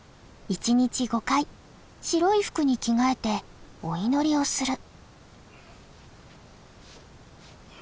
１日５回白い服に着替えてお祈りをする。